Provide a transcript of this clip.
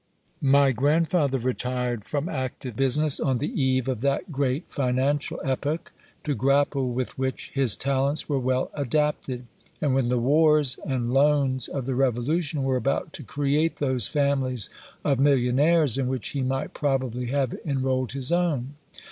My grandfather retired from active business on the eve of that great financial epoch, to grapple with which his talents were well adapted; and when the wars and loans of the Revolution were about to create those families of millionaires, in which he might probably have enrolled his own.